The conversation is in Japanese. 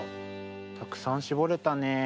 たくさんしぼれたね。